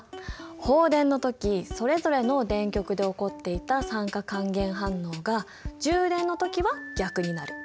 放電の時それぞれの電極で起こっていた酸化還元反応が充電の時は逆になる。